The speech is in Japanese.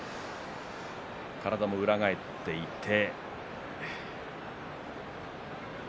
体も裏返っています。